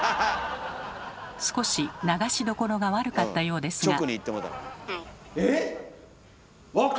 少し流しどころが悪かったようですが。